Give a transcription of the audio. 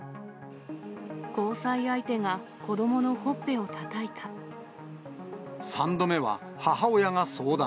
交際相手が子どものほっぺを３度目は母親が相談。